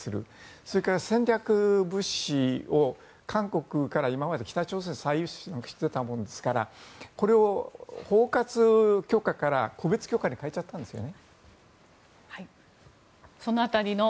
それから戦略物資を韓国から今まで北朝鮮再輸出してたわけですからこれを包括許可から個別許可に変えちゃったんですよね？